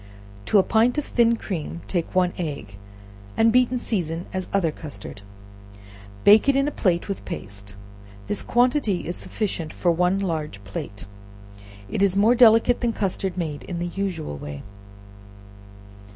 To a pint of thin cream, take one egg, and beat and season as other custard; bake it in a plate with paste; this quantity is sufficient for one large plate, and is more delicate than custard made in the usual way.